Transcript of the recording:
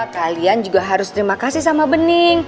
kalian juga harus terima kasih sama bening